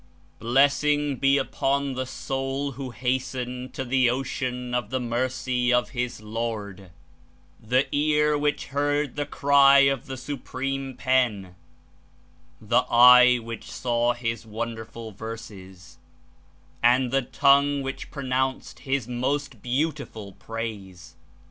74 ^'Blessing be upon the soul who hastened to the ocean of the Mercy of his Lord, the ear which heard the cry of the Supreme Pen, the eye which saw His wonderful Verses, and the tongue which pronounced His most beautiful praise!"